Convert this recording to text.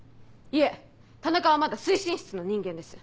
いえ田中はまだ推進室の人間です。